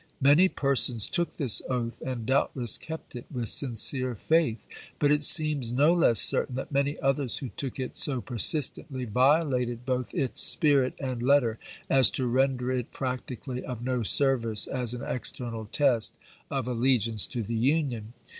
Many persons took this oath, and doubtless kept it with sincere faith. But it seems no less certain that many others who took it so persistently violated both its spirit and letter as to render it practically of no service as an external test of allegiance to the Union.